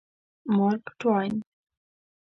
مارک ټواین